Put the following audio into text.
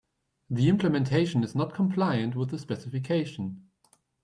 The implementation is not compliant with the specification.